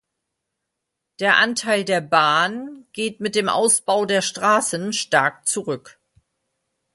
Der Anteil der Bahn geht mit dem Ausbau der Straßen stark zurück.